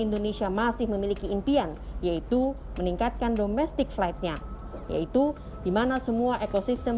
indonesia masih memiliki impian yaitu meningkatkan domestic flight nya yaitu dimana semua ekosistem